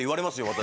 私。